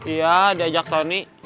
iya diajak tony